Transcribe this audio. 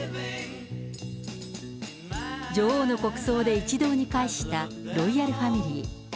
女王の国葬で一堂に会したロイヤルファミリー。